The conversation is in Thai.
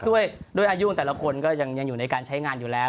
ด้วยอายุของแต่ละคนก็ยังอยู่ในการใช้งานอยู่แล้ว